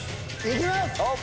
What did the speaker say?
行きます！